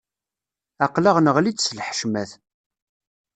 Aql-aɣ neɣli-d s lḥecmat.